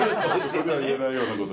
ここでは言えないようなこと。